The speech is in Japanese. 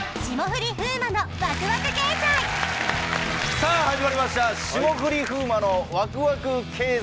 さぁ始まりました『霜降り風磨のワクワク経済』。